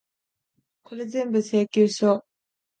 これぜんぶ、請求書。